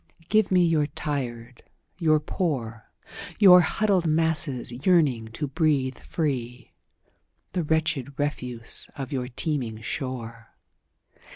"Give me your tired, your poor, Your huddled masses yearning to breathe free, The wretched refuse of your teeming shore.